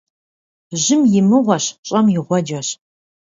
Жьым и мыгъуэщ, щӀэм и гъуэджэщ.